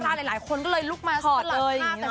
ยาลาหลายคนก็เลยลุกมาสลัดผ้า